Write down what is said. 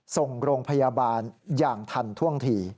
ส่งโรงพยาบาลอย่างทันท่วงที